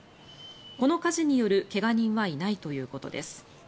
この火事による怪我人はいないということです。